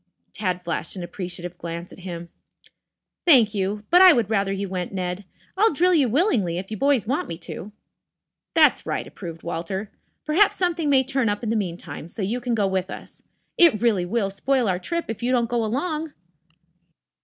Tad flashed an appreciative glance at him. "Thank you. But I would rather you went, Ned. I'll drill you willingly if you boys want me to." "That's right," approved Walter. "Perhaps something may turn up in the meantime, so you can go with us. It really will spoil our trip if you don't go along."